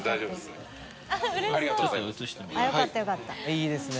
いいですね。